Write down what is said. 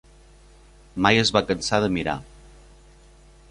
Mai es va cansar de mirar.